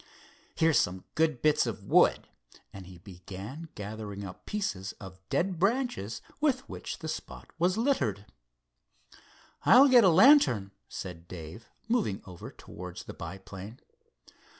"Here's some good bits of wood," and he began gathering up pieces of dead branches with which the spot was littered. "I'll get a lantern," said Dave, moving over towards the biplane.